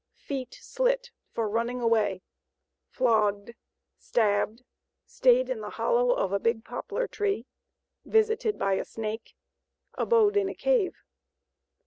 FEET SLIT FOR RUNNING AWAY, FLOGGED, STABBED, STAYED IN THE HOLLOW OF A BIG POPLAR TREE, VISITED BY A SNAKE, ABODE IN A CAVE.